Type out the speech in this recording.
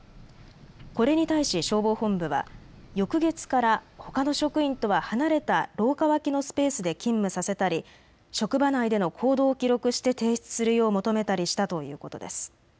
これに対し消防本部は翌月からほかの職員とは離れた廊下脇のスペースで勤務させたり職場内での行動を記録して提出するよう求めたりしたということです。